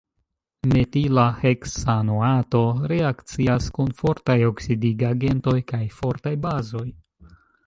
Metila heksanoato reakcias kun fortaj oksidigagentoj kaj fortaj bazoj.